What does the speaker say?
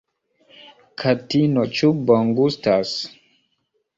Katino ĉu bongustas?